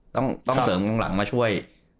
ต้องเสริมข้างหลังมาช่วย